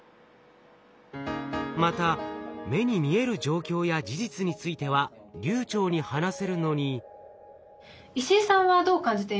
また目に見える状況や事実については流暢に話せるのに。